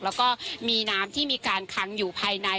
แล้วก็มีน้ำที่มีการคังอยู่ภายใน